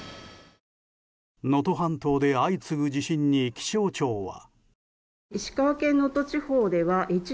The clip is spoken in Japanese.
能登半島で相次ぐ地震に気象庁は。